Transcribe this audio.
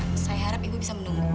saya harap ibu bisa menunggu